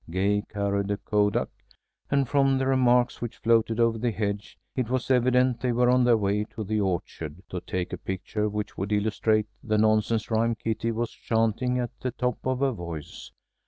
Gay carried a kodak, and, from the remarks which floated over the hedge, it was evident they were on their way to the orchard, to take a picture which would illustrate the nonsense rhyme Kitty was chanting at the top of her voice.